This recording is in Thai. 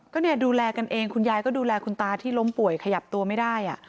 ก็เนี่ยดูแลกันเองคุณยายก็ดูแลคุณตาที่ล้มป่วยขยับตัวไม่ได้